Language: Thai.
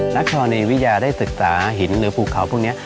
นักทรณีวิญญาณได้ศึกษาหินหรือบุคเขาพวกนี้